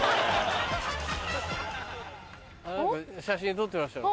何か写真撮ってらっしゃる。